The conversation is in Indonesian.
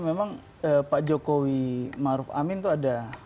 memang pak jokowi maruf amin itu ada